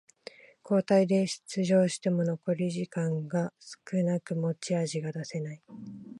交代で出場しても残り時間が少なく持ち味が出せない